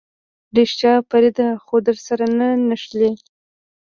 رښتيا فريده خو درسره نه نښلي.